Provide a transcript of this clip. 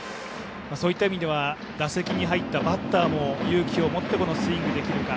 そういった意味では打席に入ったバッターも勇気を持ってスイングできるか。